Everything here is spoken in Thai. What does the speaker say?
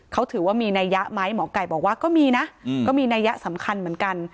เขาถือว่ามีนัยยะไหมหมอไก่บอกว่าก็มีนะก็มีนัยยะสำคัญเหมือนกัน